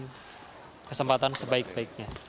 dan kesempatan sebaik baiknya